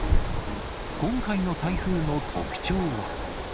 今回の台風の特徴は。